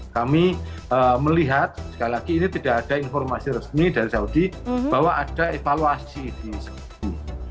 kami melihat sekali lagi ini tidak ada informasi resmi dari saudi bahwa ada evaluasi di saudi